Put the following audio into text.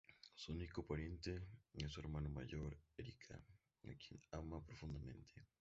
Su único pariente es su hermana mayor, Erika, a quien ama profundamente.